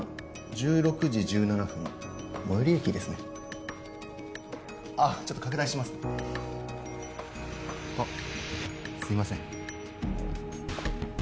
１６時１７分最寄り駅ですねあっちょっと拡大しますねあっすいません